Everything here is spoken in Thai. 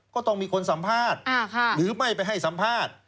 ก็แถลง